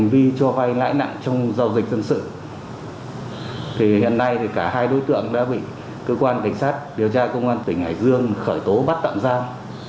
khi cho vay lãi nặng trong giao dịch dân sự thì hiện nay cả hai đối tượng đã bị cơ quan cảnh sát điều tra công an tỉnh hải dương khởi tố bắt tạm giao